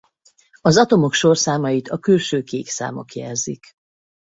Az atomok sorszámait a külső kék számok jelzik.